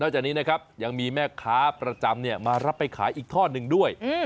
จากนี้นะครับยังมีแม่ค้าประจำมารับไปขายอีกท่อหนึ่งด้วย